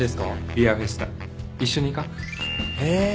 ビアフェスタ一緒に行かん？へ。